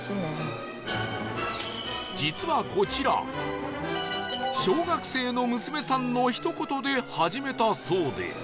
実はこちら小学生の娘さんのひと言で始めたそうで